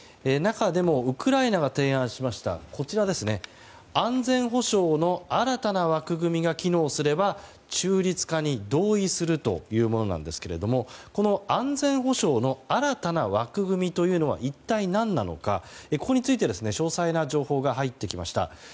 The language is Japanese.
中でもウクライナが提案しました安全保障の新たな枠組みが機能すれば中立化に同意するというものなんですけれどもこの安全保障の新たな枠組みというのは一体何なのか、ここについて詳細な情報が入ってきました。